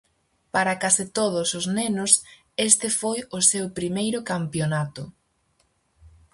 Para case todos os nenos, este foi o seu primeiro campionato.